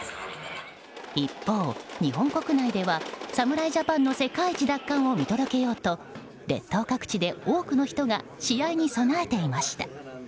一方、日本国内では侍ジャパンの世界一奪還を見届けようと列島各地で多くの人が試合に備えていました。